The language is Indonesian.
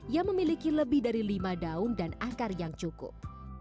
yang memiliki lebih dari lima daun dan akar yang cukup